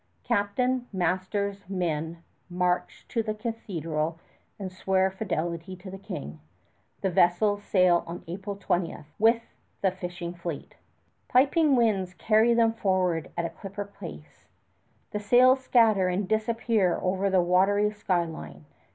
Captain, masters, men, march to the cathedral and swear fidelity to the King. The vessels sail on April 20, with the fishing fleet. [Illustration: Jacques Cartier] Piping winds carry them forward at a clipper pace. The sails scatter and disappear over the watery sky line.